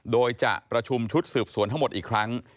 โดยจะประชุมชุดสืบสวนทั้งหมดอีกครั้ง